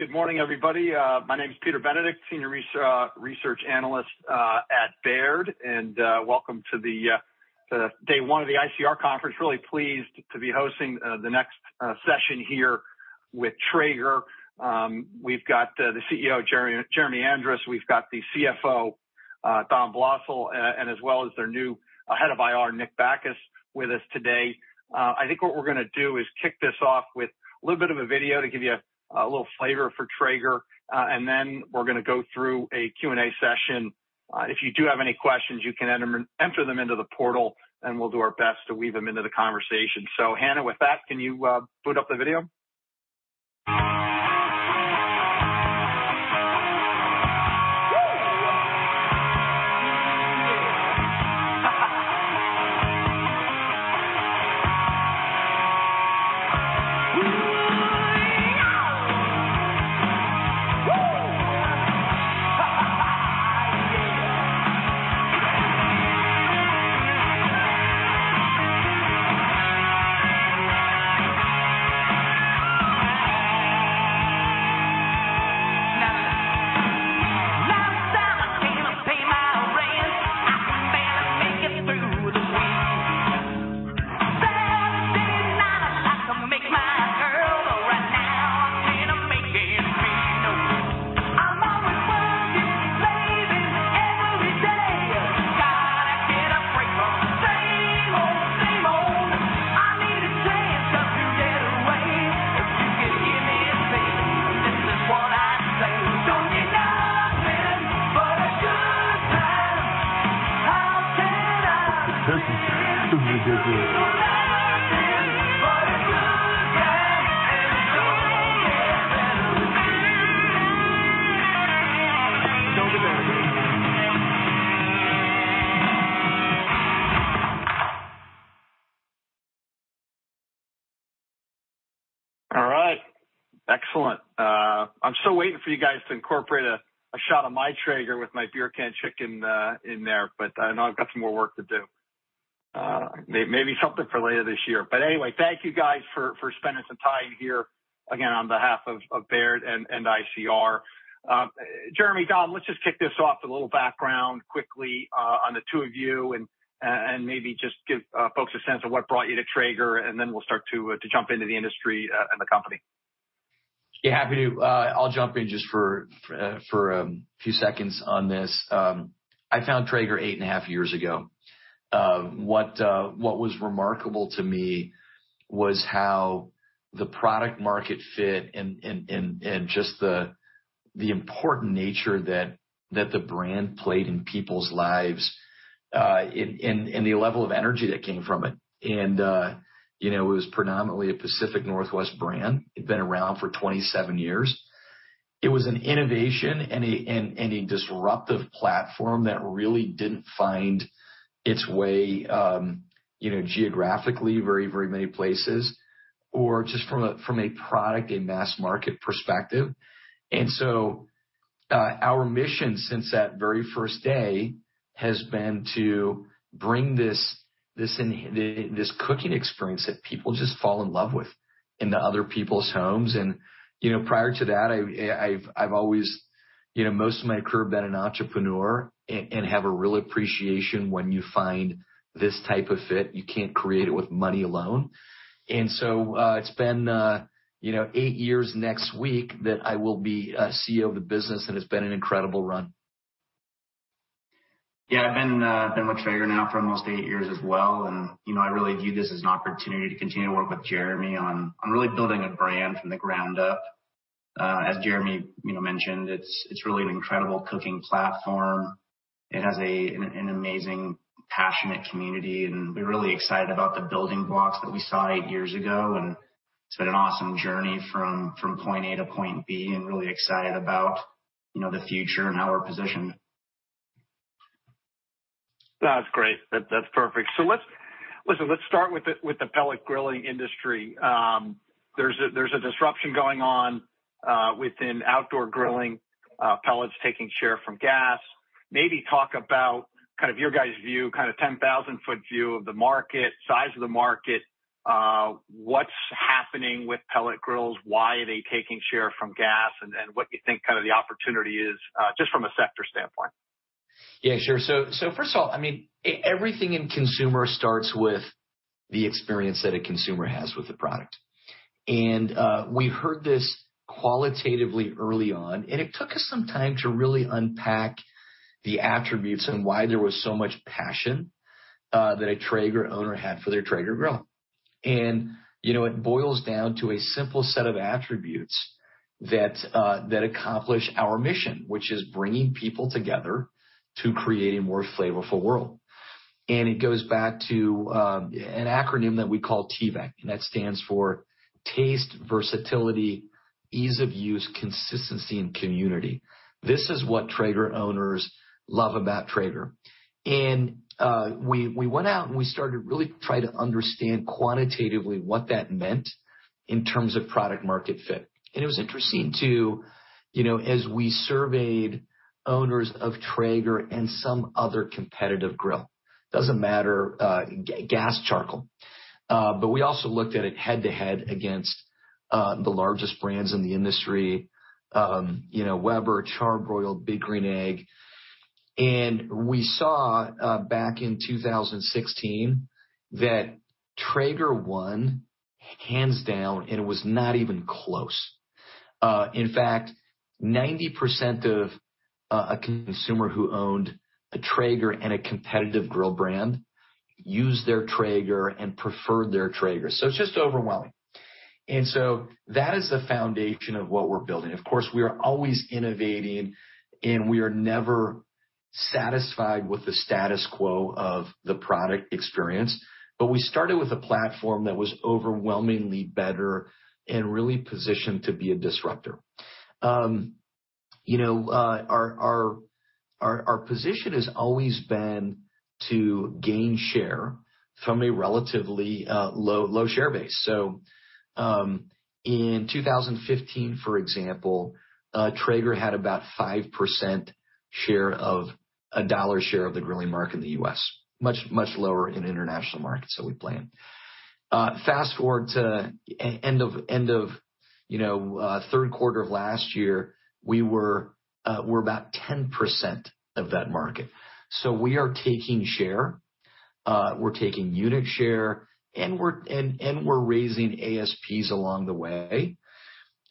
Good morning, everybody. My name is Peter Benedict, Senior Research Analyst at Baird, and welcome to the day one of the ICR Conference. Really pleased to be hosting the next session here with Traeger. We've got the CEO, Jeremy Andrus. We've got the CFO, Dom Blosil, and as well as their new head of IR, Nick Bacchus, with us today. I think what we're gonna do is kick this off with a little bit of a video to give you a little flavor for Traeger, and then we're gonna go through a Q&A session. If you do have any questions, you can enter them into the portal, and we'll do our best to weave them into the conversation. Hannah, with that, can you boot up the video? All right. Excellent. I'm still waiting for you guys to incorporate a shot of my Traeger with my beer can chicken in there, but I know I've got some more work to do. Maybe something for later this year. Anyway, thank you guys for spending some time here, again, on behalf of Baird and ICR. Jeremy, Dom, let's just kick this off with a little background quickly on the two of you and maybe just give folks a sense of what brought you to Traeger, and then we'll start to jump into the industry and the company. Yeah, happy to. I'll jump in just for a few seconds on this. I found Traeger eight and a half years ago. What was remarkable to me was how the product market fit and just the important nature that the brand played in people's lives, and the level of energy that came from it. You know, it was predominantly a Pacific Northwest brand. It'd been around for 27 years. It was an innovation and a disruptive platform that really didn't find its way, you know, geographically very many places or just from a product and mass market perspective. Our mission since that very first day has been to bring this in. This cooking experience that people just fall in love with, into other people's homes. You know, prior to that, I've always, you know, most of my career been an entrepreneur and have a real appreciation when you find this type of fit. You can't create it with money alone. You know, it's been you know, eight years next week that I will be CEO of the business, and it's been an incredible run. Yeah, I've been with Traeger now for almost eight years as well. You know, I really view this as an opportunity to continue to work with Jeremy on really building a brand from the ground up. As Jeremy, you know, mentioned, it's really an incredible cooking platform. It has an amazing, passionate community, and we're really excited about the building blocks that we saw eight years ago, and it's been an awesome journey from point A to point B and really excited about, you know, the future and how we're positioned. That's great. That's perfect. Let's start with the pellet grilling industry. There's a disruption going on within outdoor grilling, pellets taking share from gas. Maybe talk about kind of your guys' view, kind of 10,000-foot view of the market, size of the market, what's happening with pellet grills, why are they taking share from gas and what you think kind of the opportunity is, just from a sector standpoint. Yeah, sure. First of all, I mean, everything in consumer starts with the experience that a consumer has with the product. We heard this qualitatively early on, and it took us some time to really unpack the attributes and why there was so much passion that a Traeger owner had for their Traeger grill. You know, it boils down to a simple set of attributes that accomplish our mission, which is bringing people together to create a more flavorful world. It goes back to an acronym that we call TVEC, and that stands for Taste, Versatility, Ease of Use, Consistency and Community. This is what Traeger owners love about Traeger. We went out and started to really try to understand quantitatively what that meant in terms of product market fit. It was interesting to, as we surveyed owners of Traeger and some other competitive grills. Doesn't matter, gas, charcoal. We also looked at it head-to-head against the largest brands in the industry, Weber, Char-Broil, Big Green Egg. We saw back in 2016 that Traeger won hands down, and it was not even close. In fact, 90% of a consumer who owned a Traeger and a competitive grill brand used their Traeger and preferred their Traeger. It's just overwhelming. That is the foundation of what we're building. Of course, we are always innovating, and we are never satisfied with the status quo of the product experience. We started with a platform that was overwhelmingly better and really positioned to be a disruptor. You know, our position has always been to gain share from a relatively low share base. In 2015, for example, Traeger had about 5% share of a dollar share of the grilling market in the U.S. Much lower in international markets that we play in. Fast-forward to end of, you know, third quarter of last year, we're about 10% of that market. We are taking share, we're taking unit share, and we're raising ASPs along the way.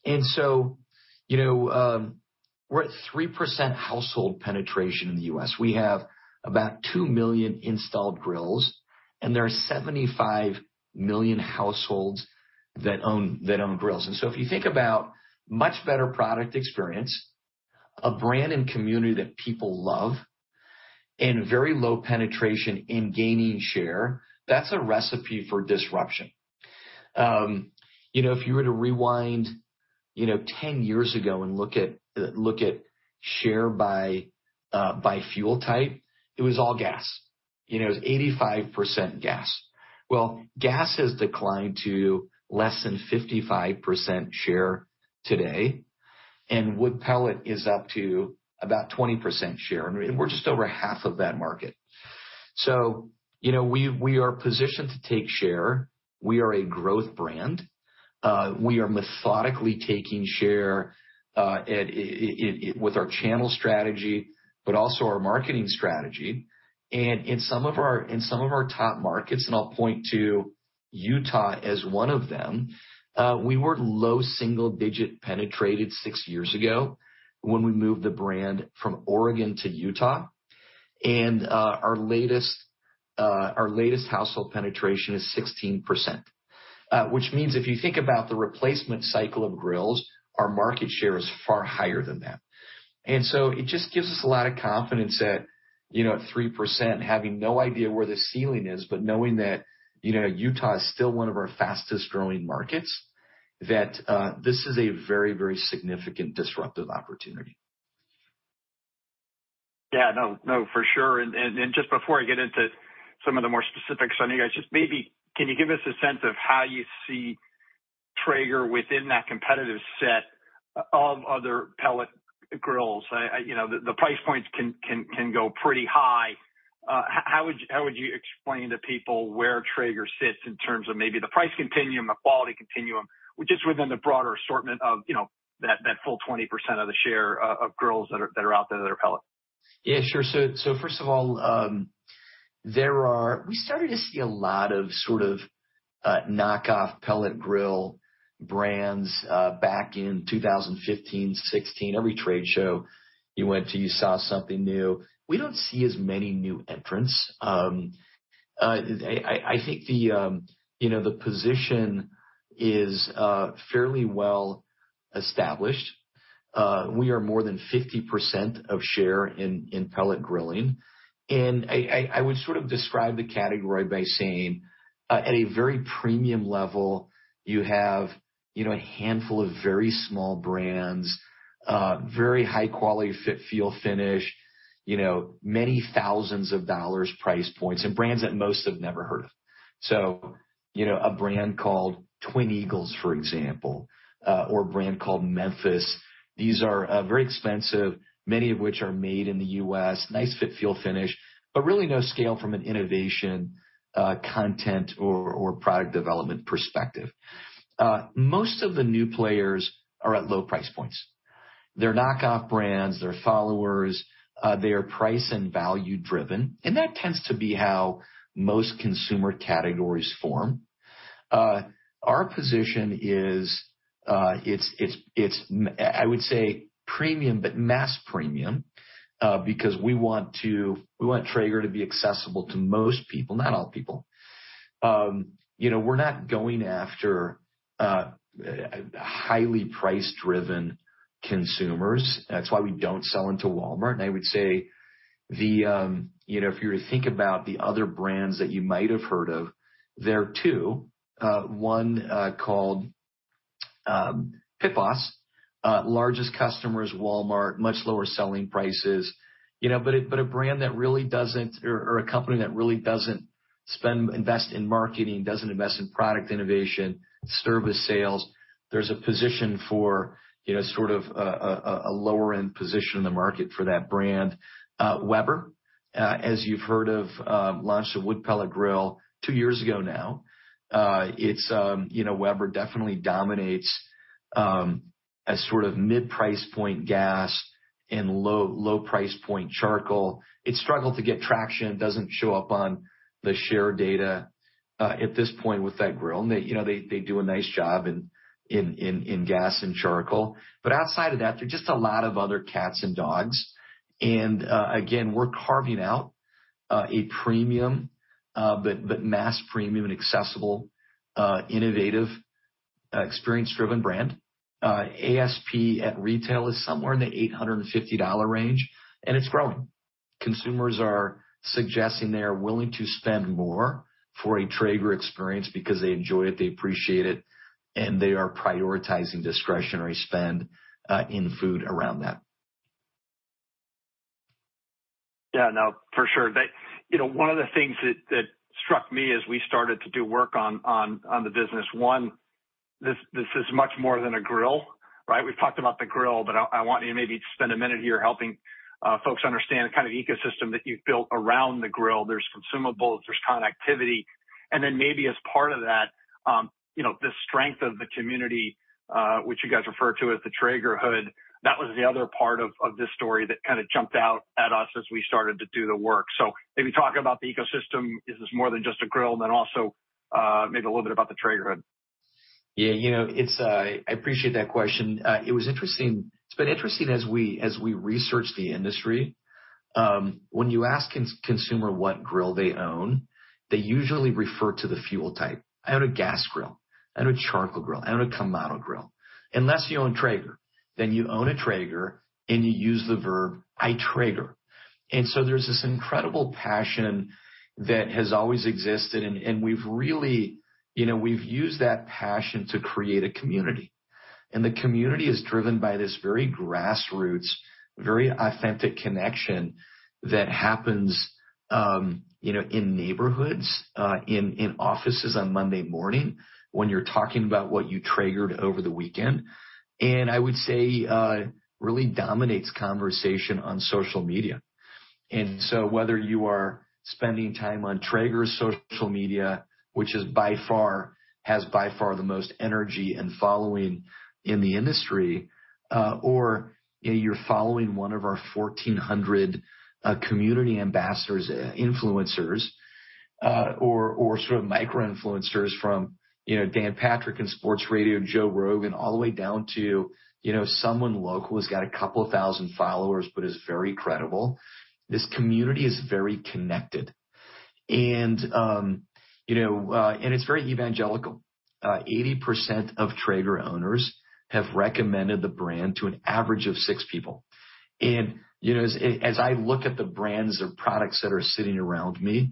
You know, we're at 3% household penetration in the U.S. We have about 2 million installed grills, and there are 75 million households that own grills. If you think about much better product experience, a brand and community that people love and very low penetration in gaining share, that's a recipe for disruption. You know, if you were to rewind 10 years ago and look at share by fuel type, it was all gas. You know, it was 85% gas. Well, gas has declined to less than 55% share today, and wood pellet is up to about 20% share, and we're just over half of that market. You know, we are positioned to take share. We are a growth brand. We are methodically taking share with our channel strategy, but also our marketing strategy. In some of our top markets, and I'll point to Utah as one of them, we were low single-digit penetration six years ago when we moved the brand from Oregon to Utah. Our latest household penetration is 16%. Which means if you think about the replacement cycle of grills, our market share is far higher than that. It just gives us a lot of confidence that, you know, at 3%, having no idea where the ceiling is, but knowing that, you know, Utah is still one of our fastest-growing markets, that this is a very, very significant disruptive opportunity. Yeah. No, no, for sure. Just before I get into some of the more specifics on you guys, just maybe can you give us a sense of how you see Traeger within that competitive set of other pellet grills? You know, the price points can go pretty high. How would you explain to people where Traeger sits in terms of maybe the price continuum, the quality continuum, which is within the broader assortment of, you know, that full 20% of the share of grills that are out there that are pellet? Yeah, sure. First of all, we started to see a lot of sort of knockoff pellet grill brands back in 2015, 2016. Every trade show you went to, you saw something new. We don't see as many new entrants. I think you know, the position is fairly well established. We are more than 50% of share in pellet grilling. I would sort of describe the category by saying, at a very premium level, you have, you know, a handful of very small brands, very high quality fit, feel, finish, you know, many thousands of dollars price points and brands that most have never heard of. You know, a brand called Twin Eagles, for example, or a brand called Memphis, these are very expensive, many of which are made in the U.S. Nice fit, feel, finish, but really no scale from an innovation, content or product development perspective. Most of the new players are at low price points. They're knockoff brands, they're followers, they are price and value-driven, and that tends to be how most consumer categories form. Our position is, it's, I would say premium but mass premium, because we want to, we want Traeger to be accessible to most people, not all people. You know, we're not going after highly price-driven consumers. That's why we don't sell into Walmart. I would say the, you know, if you were to think about the other brands that you might have heard of, there are two, one, called, Pit Boss, largest customer is Walmart. Much lower selling prices. You know, but a brand that really doesn't or, a company that really doesn't spend invest in marketing, doesn't invest in product innovation, service sales. There's a position for, you know, sort of a lower-end position in the market for that brand. Weber, as you've heard of, launched a wood pellet grill two years ago now. It's, you know, Weber definitely dominates, a sort of mid-price point gas and low price point charcoal. It struggled to get traction, doesn't show up on the share data, at this point with that grill. They, you know, they do a nice job in gas and charcoal. Outside of that, they're just a lot of other cats and dogs. Again, we're carving out a premium, but mass premium and accessible, innovative, experience-driven brand. ASP at retail is somewhere in the $850 range, and it's growing. Consumers are suggesting they are willing to spend more for a Traeger experience because they enjoy it, they appreciate it, and they are prioritizing discretionary spend in food around that. Yeah, no, for sure. You know, one of the things that struck me as we started to do work on the business, this is much more than a grill, right? We've talked about the grill, but I want you to maybe spend a minute here helping folks understand the kind of ecosystem that you've built around the grill. There's consumables, there's connectivity, and then maybe as part of that, you know, the strength of the community, which you guys refer to as the Traegerhood. That was the other part of this story that kinda jumped out at us as we started to do the work. Maybe talk about the ecosystem. Is this more than just a grill? And then also, maybe a little bit about the Traegerhood. Yeah, you know, it's, I appreciate that question. It was interesting. It's been interesting as we research the industry, when you ask consumer what grill they own, they usually refer to the fuel type. "I own a gas grill. I own a charcoal grill. I own a Kamado grill." Unless you own Traeger, then you own a Traeger, and you use the verb, I Traeger. There's this incredible passion that has always existed, and we've really, you know, we've used that passion to create a community. The community is driven by this very grassroots, very authentic connection that happens, you know, in neighborhoods, in offices on Monday morning when you're talking about what you Traegered over the weekend, and I would say, really dominates conversation on social media. Whether you are spending time on Traeger's social media, which is by far has by far the most energy and following in the industry, or you're following one of our 1,400 community ambassadors, influencers, or sort of micro-influencers from, you know, Dan Patrick in sports radio, Joe Rogan, all the way down to, you know, someone local who's got a couple thousand followers but is very credible. This community is very connected. You know, and it's very evangelical. 80% of Traeger owners have recommended the brand to an average of 6 people. You know, as I look at the brands of products that are sitting around me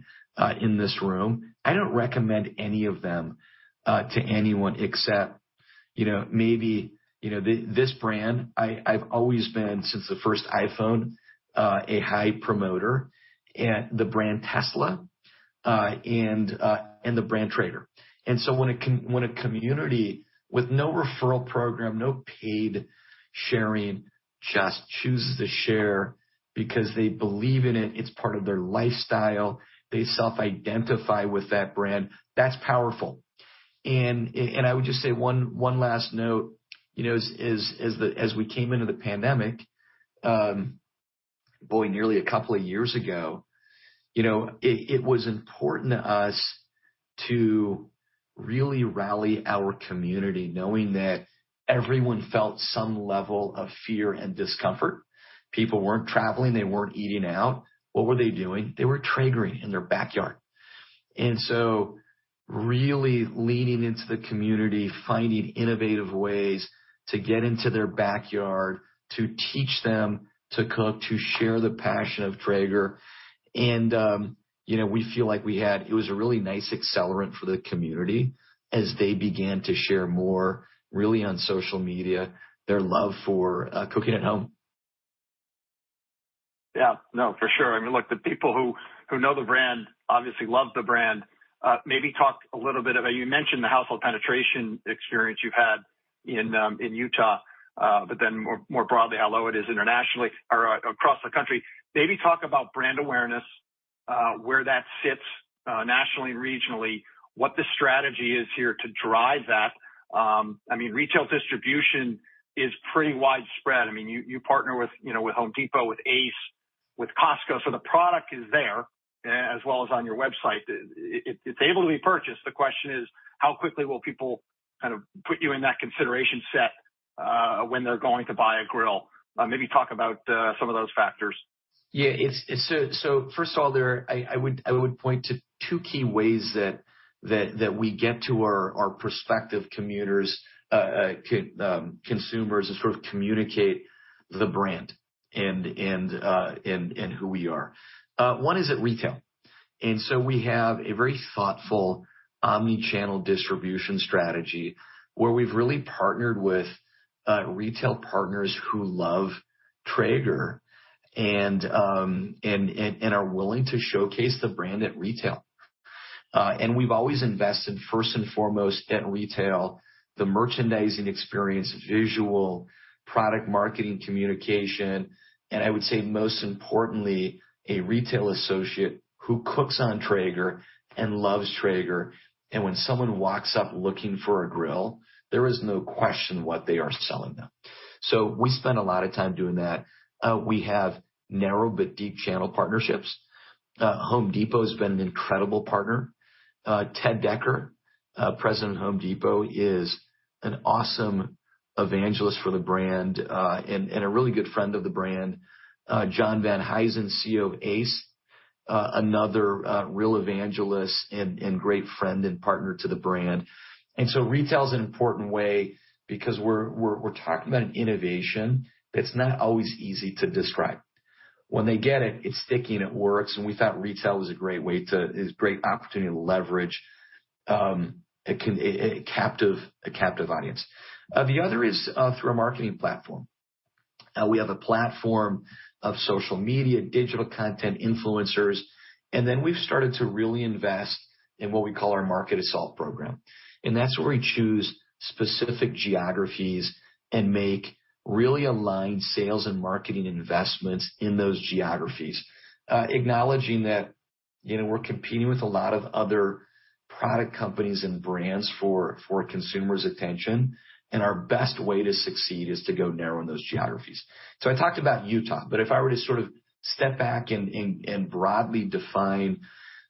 in this room, I don't recommend any of them to anyone except, you know, maybe, you know, this brand. I've always been, since the first iPhone, a high promoter. The brand Tesla and the brand Traeger. When a community with no referral program, no paid sharing, just chooses to share because they believe in it's part of their lifestyle, they self-identify with that brand, that's powerful. I would just say one last note, you know, as we came into the pandemic, boy, nearly a couple of years ago, you know, it was important to us to really rally our community knowing that everyone felt some level of fear and discomfort. People weren't traveling. They weren't eating out. What were they doing? They were Traegering in their backyard. Really leaning into the community, finding innovative ways to get into their backyard, to teach them to cook, to share the passion of Traeger, and you know, it was a really nice accelerant for the community as they began to share more, really on social media, their love for cooking at home. Yeah. No, for sure. I mean, look, the people who know the brand obviously love the brand. Maybe talk a little bit about, you mentioned the household penetration experience you've had in Utah, but then more broadly how low it is internationally or, across the country. Maybe talk about brand awareness, where that sits, nationally and regionally, what the strategy is here to drive that. I mean, retail distribution is pretty widespread. I mean, you partner with, you know, with Home Depot, with Ace, with Costco, so the product is there as well as on your website. It's able to be purchased. The question is, how quickly will people kind of put you in that consideration set, when they're going to buy a grill? Maybe talk about, some of those factors. It's first of all, I would point to two key ways that we get to our prospective consumers to sort of communicate the brand and who we are. One is at retail. We have a very thoughtful omni-channel distribution strategy where we've really partnered with retail partners who love Traeger and are willing to showcase the brand at retail. We've always invested first and foremost in retail, the merchandising experience, visual, product marketing communication, and I would say most importantly, a retail associate who cooks on Traeger and loves Traeger. When someone walks up looking for a grill, there is no question what they are selling them. We spend a lot of time doing that. We have narrow but deep channel partnerships. Home Depot has been an incredible partner. Ted Decker, President of Home Depot, is an awesome evangelist for the brand, and a really good friend of the brand. John Venhuizen, CEO of Ace, another real evangelist and great friend and partner to the brand. Retail is an important way because we're talking about an innovation that's not always easy to describe. When they get it's sticky and it works, and we thought retail is a great opportunity to leverage a captive audience. The other is through our marketing platform. We have a platform of social media, digital content, influencers, and then we've started to really invest in what we call our market assault program. That's where we choose specific geographies and make really aligned sales and marketing investments in those geographies, acknowledging that, you know, we're competing with a lot of other product companies and brands for consumers' attention, and our best way to succeed is to go narrow in those geographies. I talked about Utah, but if I were to sort of step back and broadly define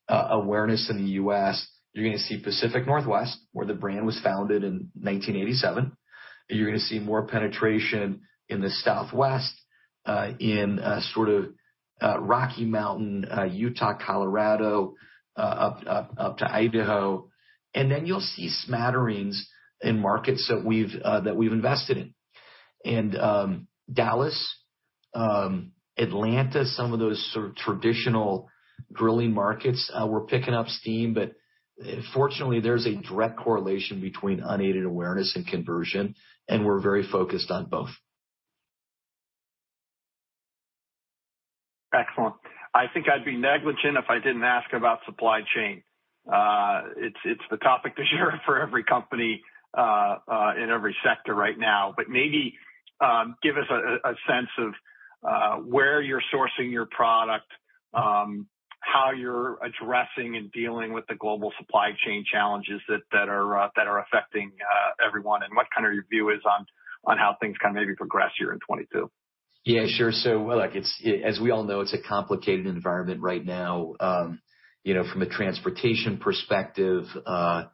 awareness in the U.S., you're gonna see Pacific Northwest, where the brand was founded in 1987. You're gonna see more penetration in the Southwest, in sort of Rocky Mountain, Utah, Colorado, up to Idaho, and then you'll see smatterings in markets that we've invested in. Dallas, Atlanta, some of those sort of traditional grilling markets, we're picking up steam, but fortunately, there's a direct correlation between unaided awareness and conversion, and we're very focused on both. Excellent. I think I'd be negligent if I didn't ask about supply chain. It's the topic this year for every company in every sector right now. Maybe give us a sense of where you're sourcing your product, how you're addressing and dealing with the global supply chain challenges that are affecting everyone, and what kind of your view is on how things kinda maybe progress here in 2022. Yeah, sure. Look, as we all know, it's a complicated environment right now, you know, from a transportation perspective, you know,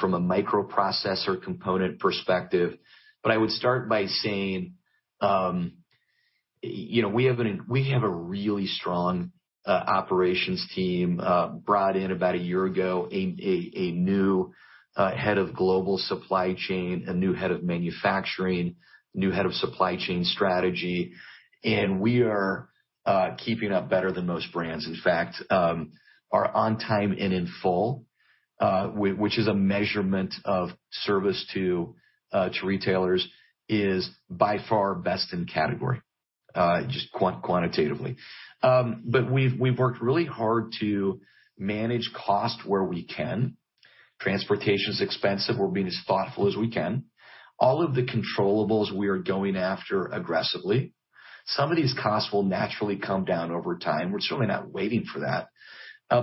from a microprocessor component perspective. I would start by saying, you know, we have a really strong operations team, brought in about a year ago, a new head of global supply chain, a new head of manufacturing, new head of supply chain strategy, and we are keeping up better than most brands. In fact, our on time and in full, which is a measurement of service to retailers, is by far best in category, just quantitatively. But we've worked really hard to manage cost where we can. Transportation is expensive. We're being as thoughtful as we can. All of the controllables we are going after aggressively. Some of these costs will naturally come down over time. We're certainly not waiting for that.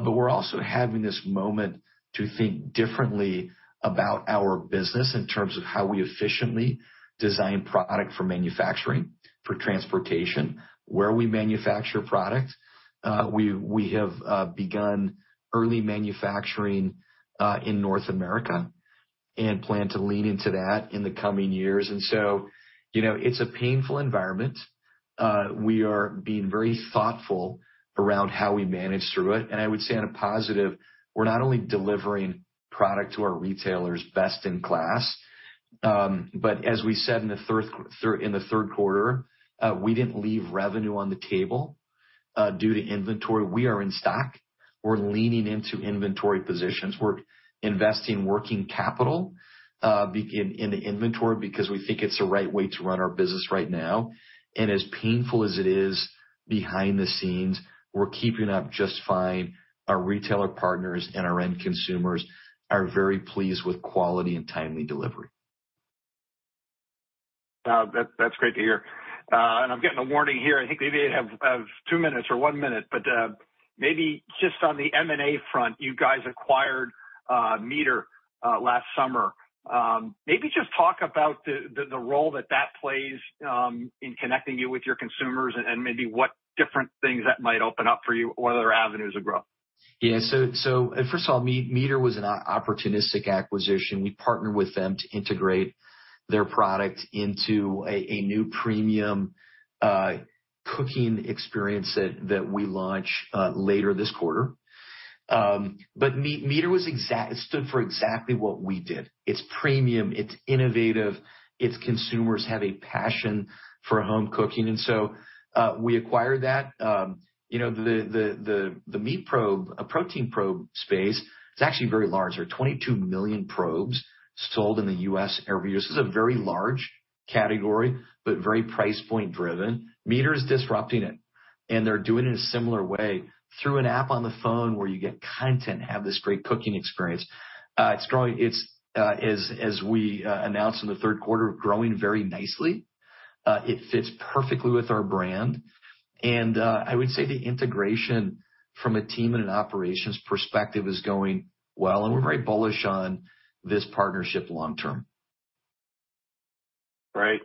We're also having this moment to think differently about our business in terms of how we efficiently design product for manufacturing, for transportation, where we manufacture product. We have begun early manufacturing in North America and plan to lean into that in the coming years. You know, it's a painful environment. We are being very thoughtful around how we manage through it. I would say on a positive, we're not only delivering product to our retailers best in class, but as we said in the third quarter, we didn't leave revenue on the table due to inventory. We are in stock. We're leaning into inventory positions. We're investing working capital in the inventory because we think it's the right way to run our business right now. As painful as it is behind the scenes, we're keeping up just fine. Our retailer partners and our end consumers are very pleased with quality and timely delivery. That's great to hear. I'm getting a warning here. I think we maybe have 2 minutes or 1 minute. Maybe just on the M&A front, you guys acquired MEATER last summer. Maybe just talk about the role that plays in connecting you with your consumers and maybe what different things that might open up for you or other avenues of growth. Yeah. First of all, MEATER was an opportunistic acquisition. We partnered with them to integrate their product into a new premium cooking experience that we launch later this quarter. MEATER stood for exactly what we did. It's premium, it's innovative, its consumers have a passion for home cooking. We acquired that. You know, the meat probe protein probe space is actually very large. There are 22 million probes sold in the U.S. every year. This is a very large category, but very price point driven. MEATER is disrupting it, and they're doing it in a similar way through an app on the phone where you get content, have this great cooking experience. It's growing. It's as we announced in the third quarter, growing very nicely. It fits perfectly with our brand. I would say the integration from a team and an operations perspective is going well, and we're very bullish on this partnership long term. Great.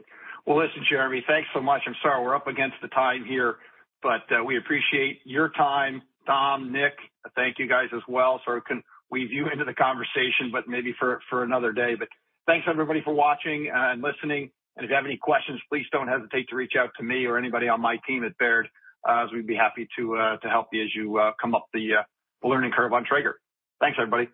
Well, listen, Jeremy, thanks so much. I'm sorry we're up against the time here, but we appreciate your time. Dom, Nick, thank you guys as well. Sorry I couldn't weave you into the conversation, but maybe for another day. Thanks, everybody, for watching and listening. If you have any questions, please don't hesitate to reach out to me or anybody on my team at Baird, as we'd be happy to help you as you come up the learning curve on Traeger. Thanks, everybody.